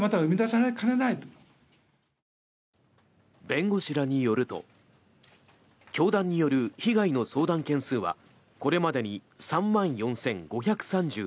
弁護士らによると教団による被害の相談件数はこれまでに３万４５３７件。